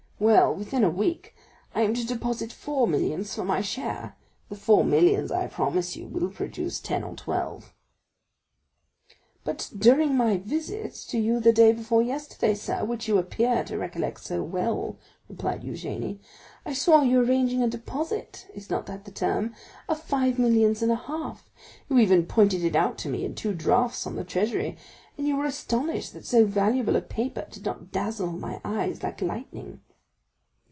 Well, within a week I am to deposit four millions for my share; the four millions, I promise you, will produce ten or twelve." "But during my visit to you the day before yesterday, sir, which you appear to recollect so well," replied Eugénie, "I saw you arranging a deposit—is not that the term?—of five millions and a half; you even pointed it out to me in two drafts on the treasury, and you were astonished that so valuable a paper did not dazzle my eyes like lightning."